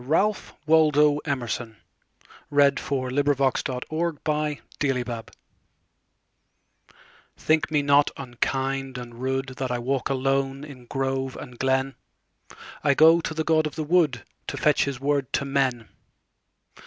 Ralph Waldo Emerson 764. The Apology THINK me not unkind and rudeThat I walk alone in grove and glen;I go to the god of the woodTo fetch his word to men.